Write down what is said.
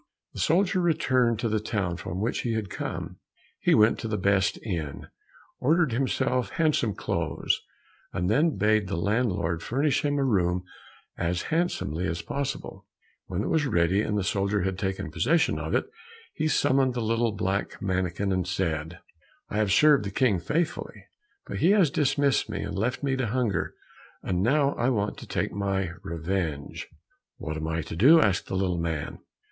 The soldier returned to the town from which he had come. He went to the best inn, ordered himself handsome clothes, and then bade the landlord furnish him a room as handsomely as possible. When it was ready and the soldier had taken possession of it, he summoned the little black mannikin and said, "I have served the King faithfully, but he has dismissed me, and left me to hunger, and now I want to take my revenge." "What am I to do?" asked the little man.